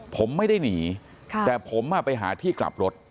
ผมไม่ได้หนีแต่ผมไปหาที่กลับรถ